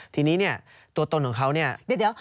ทีนี้เนี่ยตัวตนของเขาเนี่ยเดี๋ยว